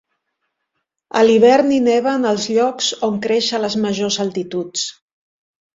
A l'hivern hi neva en els llocs on creix a les majors altituds.